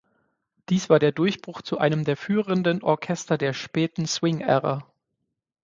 Dies war der Durchbruch zu einem der führenden Orchester der späten Swing-Ära.